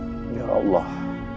rampunilah istriku ya allah